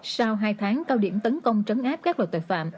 sau hai tháng cao điểm tấn công trấn áp các loại tội phạm